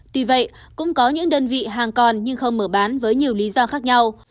tuy vậy cũng có những đơn vị hàng còn nhưng không mở bán với nhiều lý do khác nhau